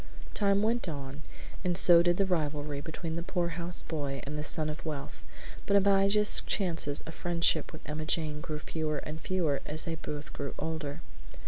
Time went on, and so did the rivalry between the poorhouse boy and the son of wealth, but Abijah's chances of friendship with Emma Jane grew fewer and fewer as they both grew older.